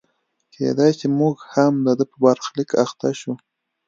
کېدای شي موږ هم د ده په برخلیک اخته شو.